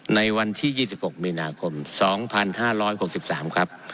ในวันที่๒๖มีนาคม๒๕๖๓ครับ